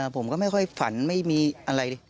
ผมก็ไม่ค่อยฝันไม่มีอะไร